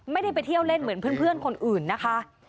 ไม่ได้ไปเที่ยวเล่นเหมือนเพื่อนคนอื่นนะคะ